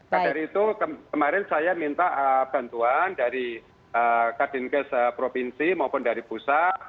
pada itu kemarin saya minta bantuan dari kadinkes provinsi maupun dari pusa